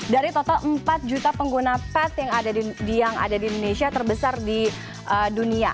dari total empat juta pengguna pet yang ada di indonesia terbesar di dunia